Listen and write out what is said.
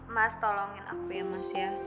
mas tolongin aku ya mas ya